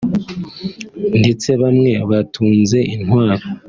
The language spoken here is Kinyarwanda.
ndetse bamwe batunze intwaro